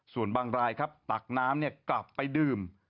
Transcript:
ส่วนบางรายครับตักน้ำกลับไปดื่ม